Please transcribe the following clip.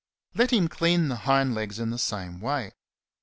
Let him clean the hind legs in the same way.